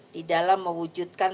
di dalam mewujudkan